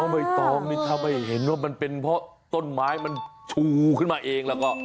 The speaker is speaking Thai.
ใบตองนี่ถ้าไม่เห็นว่ามันเป็นเพราะต้นไม้มันชูขึ้นมาเองแล้วก็